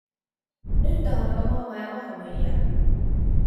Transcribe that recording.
Nüüd tahan aga maamaja maha müüa.